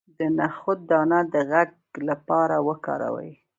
د نخود دانه د غږ لپاره وکاروئ